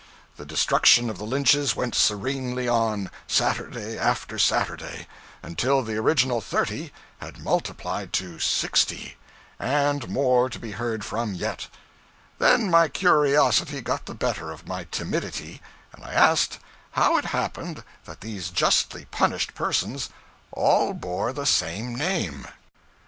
The destruction of the Lynches went serenely on, Saturday after Saturday, until the original thirty had multiplied to sixty and more to be heard from yet; then my curiosity got the better of my timidity, and I asked how it happened that these justly punished persons all bore the same name.